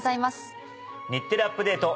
『日テレアップＤａｔｅ！』